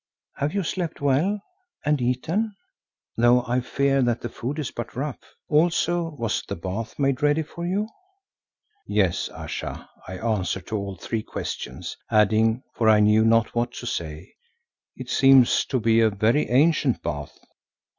Have you slept well? And eaten?—though I fear that the food is but rough. Also was the bath made ready for you?" "Yes, Ayesha," I answered to all three questions, adding, for I knew not what to say, "It seems to be a very ancient bath."